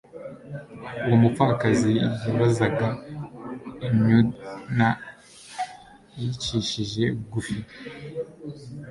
uwo mupfakazi yabazaga inytuna yicishije bugufi.